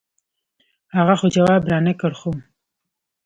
هغه خو جواب رانۀ کړۀ خو